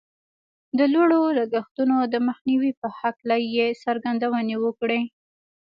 د لوړو لګښتونو د مخنیوي په هکله یې څرګندونې وکړې